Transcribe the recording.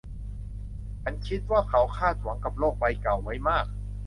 ฉันคิดว่าเขาคาดหวังกับโลกใบเก่าไว้มาก